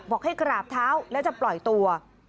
ให้กราบเท้าแล้วจะปล่อยตัว